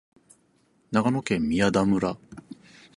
長野県宮田村